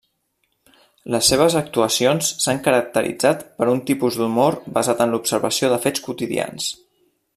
Les seves actuacions s'han caracteritzat per un tipus d'humor basat en l'observació de fets quotidians.